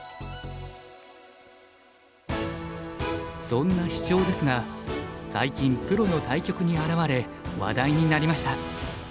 そんなシチョウですが最近プロの対局に現れ話題になりました。